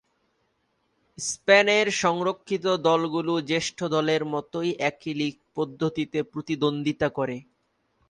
স্পেনের সংরক্ষিত দলগুলো জ্যেষ্ঠ দলের মতোই একই লীগ পদ্ধতিতে প্রতিদ্বন্দ্বিতা করে।